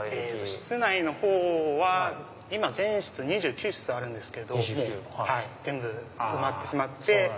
室内のほうは今２９室あるんですけど全部埋まってしまって。